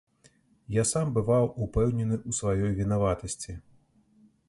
Я сам бываў упэўнены ў сваёй вінаватасці.